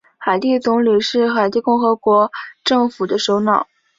海地总理是海地共和国政府的首脑。